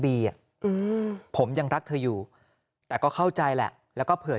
ผมยังรักเธออยู่แต่ก็เข้าใจแหละแล้วก็เผื่อ